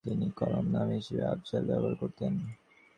তিনি কলম নাম হিসেবে আফজাল ব্যবহার করতেন।